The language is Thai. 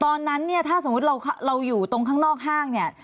ตอนนั้นเนี่ยถ้าสมมุติเราอยู่ตรงข้างนอกห้างเนี่ย